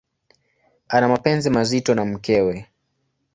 Ana mapenzi mazito na mkewe.